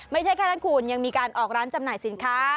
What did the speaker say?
ไม่ใช่แค่นั้นคุณยังมีการออกร้านจำหน่ายสินค้า